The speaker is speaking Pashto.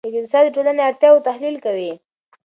اقتصاد د ټولنې د اړتیاوو تحلیل کوي.